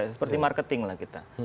seperti marketing lah kita